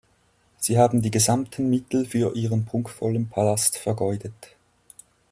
Sie haben die gesamten Mittel für Ihren prunkvollen Palast vergeudet.